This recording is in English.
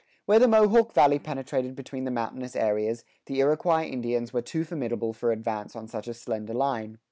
Where the Mohawk Valley penetrated between the mountainous areas, the Iroquois Indians were too formidable for advance on such a slender line.